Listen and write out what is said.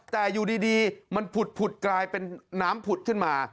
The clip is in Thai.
แต่อยู่ดีมันผุดกลายเป็นน้ำผุดขึ้นมา